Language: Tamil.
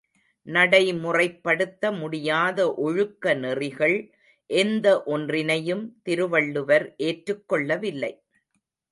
நடைமுறைப்படுத்த முடியாத ஒழுக்க நெறிகள் எந்த ஒன்றினையும் திருவள்ளுவர் ஏற்றுக் கொள்ளவில்லை.